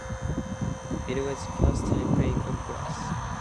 It was his first time playing on grass.